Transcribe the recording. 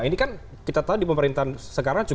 ini kan kita tahu di pemerintahan sekarang